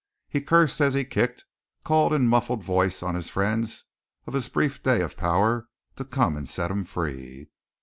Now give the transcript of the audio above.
He cursed as he kicked, and called in muffled voice on the friends of his brief day of power to come and set him free.